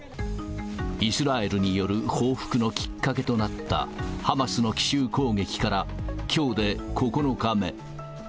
イスラエルによる報復のきっかけとなった、ハマスの奇襲攻撃からきょうで９日目。